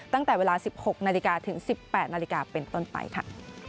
ตั้งแต่เวลา๑๖๑๘นเป็นต้นไปค่ะ